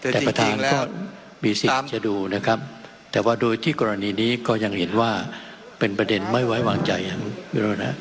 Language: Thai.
แต่ประธานก็มีสิทธิ์จะดูนะครับแต่ว่าโดยที่กรณีนี้ก็ยังเห็นว่าเป็นประเด็นไม่ไว้วางใจอย่างวิโรนา